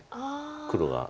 黒が。